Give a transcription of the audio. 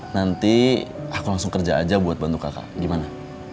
nanti aku langsung kerja aja buat bantu kakak gimana